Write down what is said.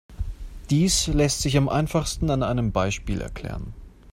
Dies lässt sich am einfachsten an einem Beispiel erklären.